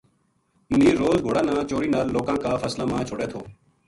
منیر روز گھوڑاں نا چوری نال لوکاں کا فصلاں ما چھوڈے تھو